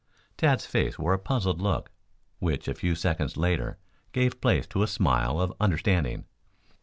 Tad's face wore a puzzled look, which a few seconds later gave place to a smile of understanding.